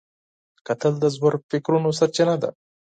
کتل د ژور فکرونو سرچینه ده